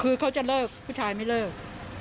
คือเขาจะเลิกผู้ชายไม่เลิก